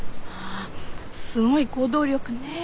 すごい行動力ね。